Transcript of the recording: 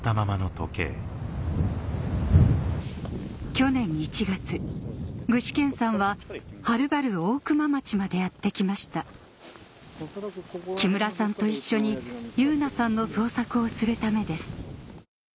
去年１月具志堅さんははるばる大熊町までやって来ました木村さんと一緒に汐凪さんの捜索をするためです